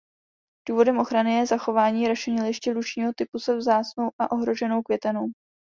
Důvodem ochrany je zachování rašeliniště lučního typu se vzácnou a ohroženou květenou.